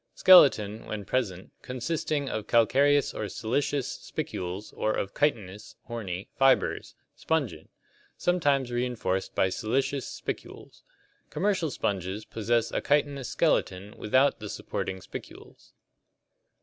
Skeleton, when present, consisting of calcareous or siliceous spicules or of chitinous (horny) fibers (spongin), sometimes reinforced by siliceous spicules. Commercial sponges possess a chitinous skeleton without the supporting spicules.